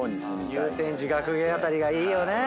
祐天寺学芸あたりがいいよね。